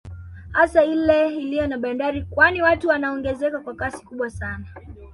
Hasa ile iliyo na Bandari kwani watu wanaongezeka kwa kasi kubwa sana